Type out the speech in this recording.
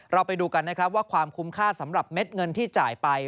เราไปดูกันนะครับว่าความคุ้มค่าสำหรับเม็ดเงินที่จ่ายไป